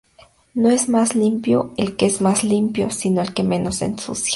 No es más limpio el que más limpia, sino el que menos ensucia